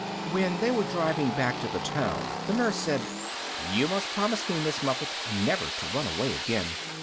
When they were driving back to the town the Nurse said, "You must promise me, Miss Muffet, never to run away again.